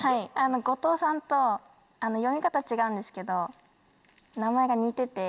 後藤さんと読み方違うんですけど名前が似てて。